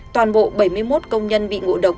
toàn bộ bảy mươi một công nhân bị ngộ độc